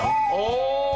お！